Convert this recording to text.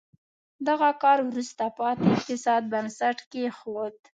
دغه کار وروسته پاتې اقتصاد بنسټ کېښود.